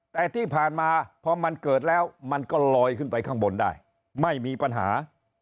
แต่ที่ผ่านมาพอมันเกิดแล้วมันก็ลอยขึ้นไปข้างบนได้ไม่มีปัญหา